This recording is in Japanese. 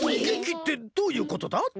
劇ってどういうことだ？